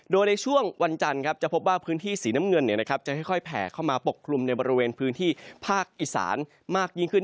โดยในช่วงวันจันทร์จะพบว่าพื้นที่สีน้ำเงินจะค่อยแผ่เข้ามาปกคลุมในบริเวณพื้นที่ภาคอีสานมากยิ่งขึ้น